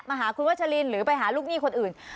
หาคุณวัชลินหรือไปหาลูกหนี้คนอื่น